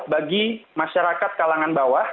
bagi masyarakat kalangan bawah